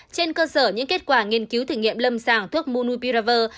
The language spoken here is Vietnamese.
trên cơ sở những kết quả nghiên cứu thử nghiệm lâm sàng thuốc monopidavir